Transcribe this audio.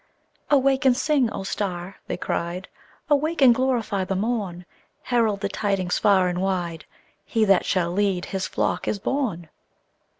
"Awake and sing, O star!" they cried. "Awake and glorify the morn! Herald the tidings far and wide He that shall lead His flock is born!"